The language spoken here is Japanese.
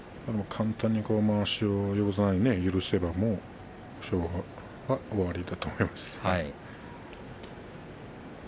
簡単に、まわしを横綱に許せばもう正代、終わりだと思います。